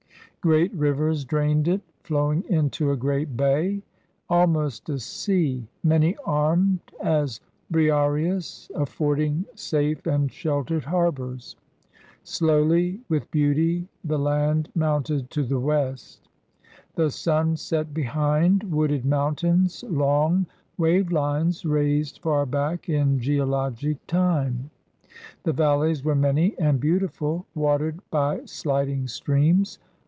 Great rivers drained it, flowing into a great bay, ahnost a sea, many armed as Briareus, a£Pording sale and shelt^ed harbors. Slowly, with beauty, the land mounted to the west* The sun set behind wooded mountains, long wave lines raised far back in geologic time. The valleys were many and beautiful, watered by sliding streams.